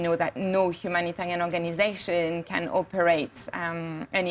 kita tahu bahwa tidak ada organisasi yang bisa beroperasi lagi